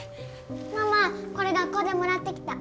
ママこれ学校でもらってきた。